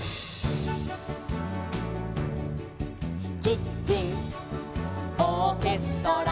「キッチンオーケストラ」